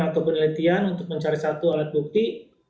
atau penelitian untuk mencari satu alat bukti